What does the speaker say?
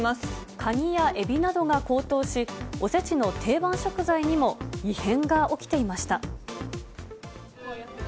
カニやエビなどが高騰し、おせちの定番食材にも異変が起きていました。